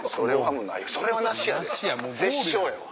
それはなしやで殺生やわ。